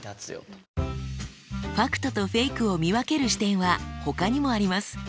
ファクトとフェイクを見分ける視点はほかにもあります。